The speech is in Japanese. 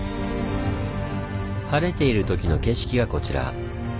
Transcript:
晴れているときの景色がこちら。